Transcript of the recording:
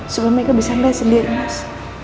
supaya mereka bisa melihat sendiri mas